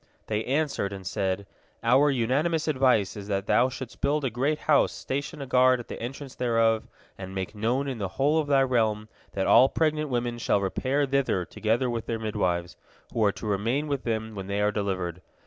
They answered, and said: "Our unanimous advice is that thou shouldst build a great house, station a guard at the entrance thereof, and make known in the whole of thy realm that all pregnant women shall repair thither together with their midwives, who are to remain with them when they are delivered.